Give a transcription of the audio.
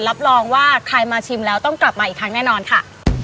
รับรองว่าใครมาชิมแล้วต้องกลับมาอีกครั้งแน่นอนค่ะ